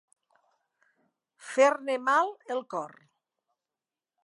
Fer-ne mal el cor.